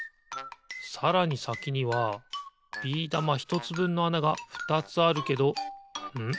さらにさきにはビー玉ひとつぶんのあながふたつあるけどん？